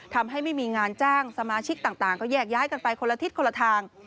ทำให้ไม่มีงานจ้างสมาชิกต่างก็แยกย้ายกันไปคนละทิศคนละทาง